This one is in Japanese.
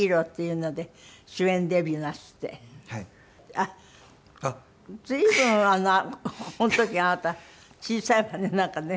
あっ随分この時あなた小さいわねなんかね。